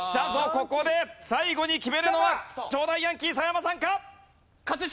ここで最後に決めるのは東大ヤンキー澤山さんか？